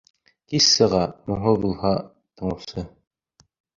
Кис сыға, моңһоҙ булһа тыңлаусы.